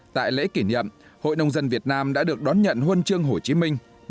tại lễ kỷ niệm hội nông dân việt nam đã được đón nhận huân chương hồ chí minh